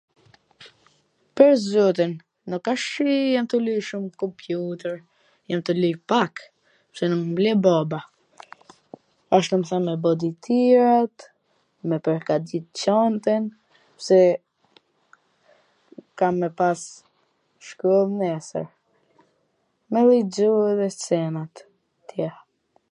Pwr zotin, nuk asht qw jam tu luj shum kompjuter, jam tu luj pak, pse nuk m le baba, asht tu m than me ba detyrat, me pwrgatit Cantwn, pse kam me pas shkoll neswr, nonji xho dhe sene tjerat.